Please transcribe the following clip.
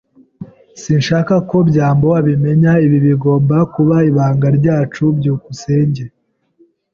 Sinshaka ko byambo abimenya. Ibi bigomba kuba ibanga ryacu. byukusenge